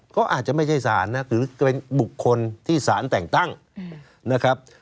ก็อาจจะไม่ใช่ศาลนะหรือเป็นบุคคลที่สารแต่งตั้งนะครับ